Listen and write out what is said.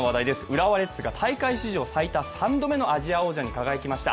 浦和レッズが史上最多３度目の王者に輝きました。